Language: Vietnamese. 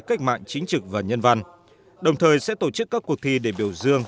cách mạng chính trực và nhân văn đồng thời sẽ tổ chức các cuộc thi để biểu dương